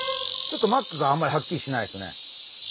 ちょっとマックがあんまりはっきりしてないですね。